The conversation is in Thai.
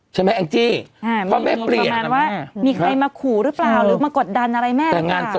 แองจี้เพราะแม่ปริมาณว่ามีใครมาขู่หรือเปล่าหรือมากดดันอะไรแม่หรือเปล่า